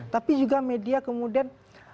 tapi juga media kemudian